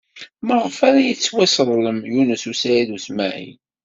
Maɣef ara yettwasseḍlem Yunes u Saɛid u Smaɛil?